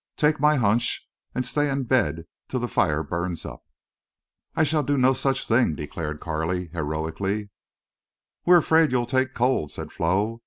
Take my hunch and stay in bed till the fire burns up." "I shall do no such thing," declared Carley, heroically. "We're afraid you'll take cold," said Flo.